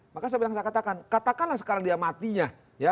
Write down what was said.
maka saya bilang katakanlah sekarang dia matinya